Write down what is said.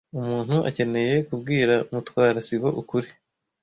Umuntu akeneye kubwira Mutwara sibo ukuri.